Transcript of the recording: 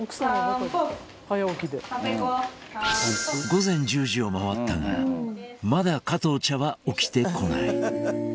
午前１０時を回ったがまだ加藤茶は起きてこない。